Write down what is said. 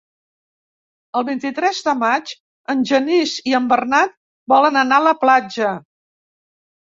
El vint-i-tres de maig en Genís i en Bernat volen anar a la platja.